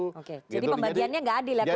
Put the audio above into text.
jadi pembagiannya tidak adil ya kuenya